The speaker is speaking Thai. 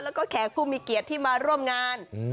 และแขกผู้มีเกียจที่มาร่วมงาน